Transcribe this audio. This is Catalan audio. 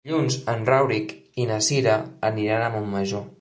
Dilluns en Rauric i na Cira aniran a Montmajor.